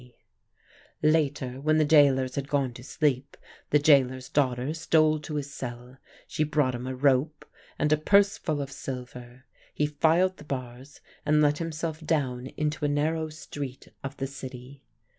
K.' Later, when the gaolers had gone to sleep, the gaoler's daughter stole to his cell. She brought him a rope, and a purse full of silver. He filed the bars and let himself down into a narrow street of the city.